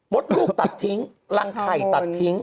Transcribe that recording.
ลูกตัดทิ้งรังไข่ตัดทิ้ง